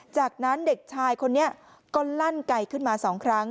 จากนั้นเด็กชายคนนี้ก็ลั่นไก่ขึ้นมา๒ครั้ง